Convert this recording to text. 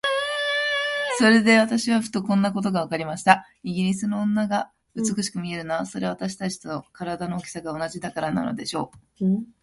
それで私はふと、こんなことがわかりました。イギリスの女が美しく見えるのは、それは私たちと身体の大きさが同じだからなのでしょう。